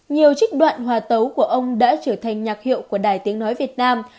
nhiều trích đoạn hòa tấu của ông đã trở thành nhạc hiệu của đài tiếng nói việt nam